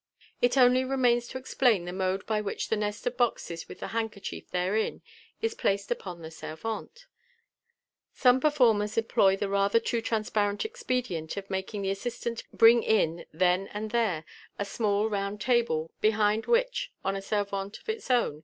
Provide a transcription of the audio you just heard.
It only remains to explain the mode by which the nest of boxes, with the handkerchief therein, is placed upon the servante. Some performers employ the rather too transparent expedient of making the assistant bring in, then and there, a small round table, behind which, on a servante of its own.